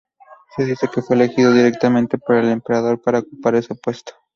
Se dice que fue elegido directamente por el emperador para ocupar este puesto.